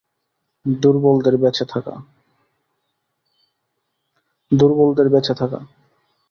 দুর্বলদের বেঁচে থাকা।